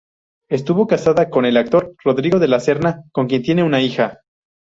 Estuvo casada con el actor Rodrigo de la Serna, con quien tiene una hija.